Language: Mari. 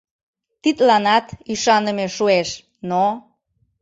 Тидланат ӱшаныме шуэш, но...